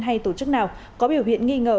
hay tổ chức nào có biểu hiện nghi ngờ